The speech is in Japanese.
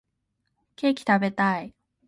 ケーキ食べたい